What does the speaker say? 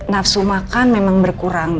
nafsu makan memang berkurang